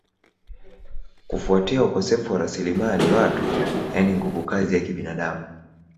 kufuatia ukosefu wa rasilimali watu yani nguvu kazi ya kibinadamu